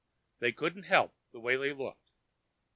They couldn't help the way they looked!